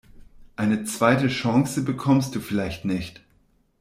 Eine zweite Chance bekommst du vielleicht nicht.